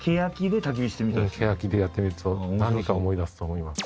ケヤキでやってみると何か思い出すと思います。